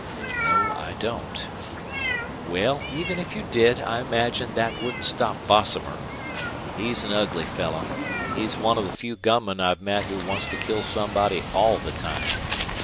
"No, I don't." "Well, even if you did I imagine that wouldn't stop Bosomer. He's an ugly fellow. He's one of the few gunmen I've met who wants to kill somebody all the time.